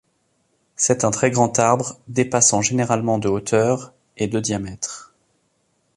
C'est un très grand arbre dépassant généralement de hauteur et de diamètre.